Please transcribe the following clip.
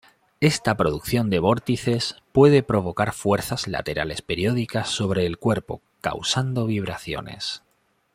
Esta producción de vórtices puede provocar fuerzas laterales periódicas sobre el cuerpo, causando vibraciones.